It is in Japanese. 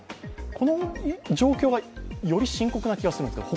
この状況はより深刻な気がするんですけど。